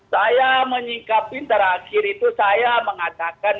saya menyingkapi terakhir itu saya mengatakan